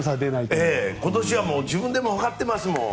今年は、自分でも分かっていますもん。